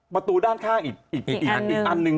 ประตูด้านข้างอีกอันหนึ่ง